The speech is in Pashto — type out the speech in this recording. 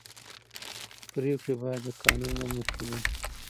پرېکړې باید د قانون له مخې وي